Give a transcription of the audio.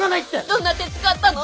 どんな手使ったの？